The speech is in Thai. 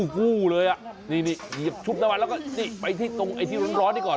กู้เลยนี่เหยียบชุบตะวันแล้วก็ไปที่ร้อนนี่ก่อน